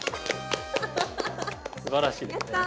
すばらしいですね。